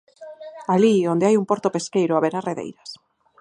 Alí onde hai un porto pesqueiro haberá redeiras.